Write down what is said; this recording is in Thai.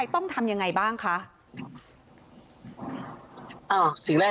ทนายเกิดผลครับ